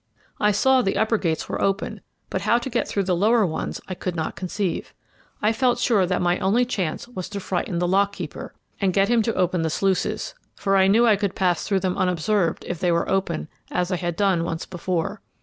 I saw the upper gates were open, but how to get through the lower ones I could not conceive. I felt sure that my only chance was to frighten the lock keeper, and get him to open the sluices, for I knew I could pass through them unobserved if they were open, as I had done once before.